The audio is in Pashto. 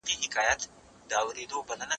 زه پرون د سبا لپاره د لغتونو زده کړه کوم..